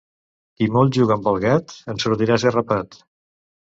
Qui molt juga amb el gat, en sortirà esgarrapat.